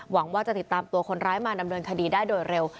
หวังว่าจะติดตามตัวคนร้ายมาดำเนินคดีได้โดยเร็ว